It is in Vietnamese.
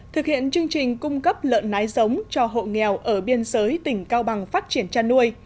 thực hiện chương trình cung cấp lợn nái giống cho hộ nghèo ở biên giới tỉnh cao bằng phát triển chăn nuôi